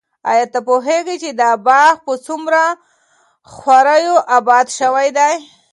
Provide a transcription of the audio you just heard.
ایا ته پوهېږې چې دا باغ په څومره خواریو اباد شوی دی؟